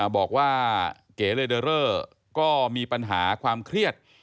บอกว่าเก๋เลเดอเรอร์ก็มีปัญหาความเครียด